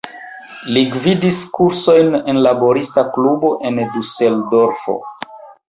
Li gvidis kursojn en laborista klubo en Duseldorfo.